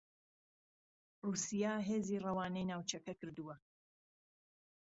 رووسیا هێزی رەوانەی ناوچەکە کردووە